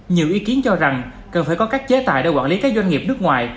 nhiều ý kiến cho rằng cần phải có các chế tài để quản lý các doanh nghiệp nước ngoài